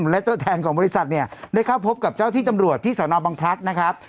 และตัวแทนของบริษัทเนี่ยได้เข้าพบกับเจ้าที่ตำรวจที่สนบังพลัดนะครับ